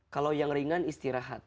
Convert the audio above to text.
kalau yang ringan istirahat